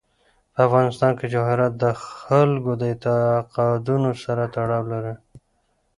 په افغانستان کې جواهرات د خلکو د اعتقاداتو سره تړاو لري.